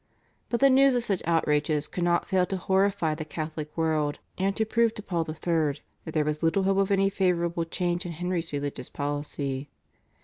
But the news of such outrages could not fail to horrify the Catholic world, and to prove to Paul III. that there was little hope of any favourable change in Henry's religious policy.